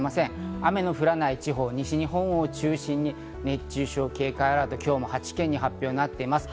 雨の降らない地方、西日本を中心に熱中症警戒アラート、今日も８県に発表されています。